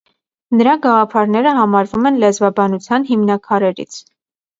Նրա գաղափարները համարվում են լեզվաբանության հիմնաքարերից։